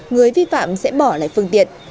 người vi phạm sẽ bỏ lại phương tiện